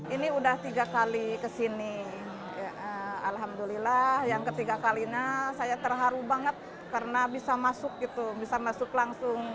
ini udah tiga kali kesini alhamdulillah yang ketiga kalinya saya terharu banget karena bisa masuk gitu bisa masuk langsung